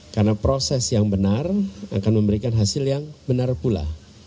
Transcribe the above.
karena proses yang benar akan memberikan hasil yang benar pula